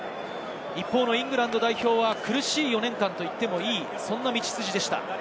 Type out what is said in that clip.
一方のイングランド代表は苦しい４年間と言ってもいい道筋でした。